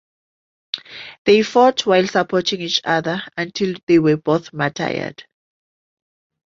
They fought while supporting each other until they were both martyred.